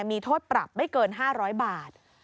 มีโทษปรับไม่เกิน๕๐๐บาท